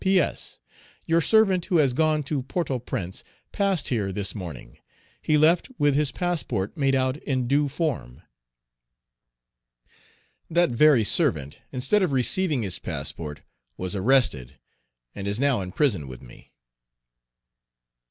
"P. S. Your servant who has gone to Port au Prince passed here this morning; he left with his passport made out in due form." That very servant, instead of receiving his passport, was arrested, and is now in prison with me.